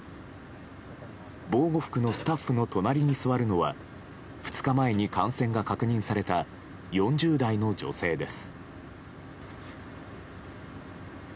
防護服のスタッフの隣に座るのは２日前に感染が確認された４０代の女性です。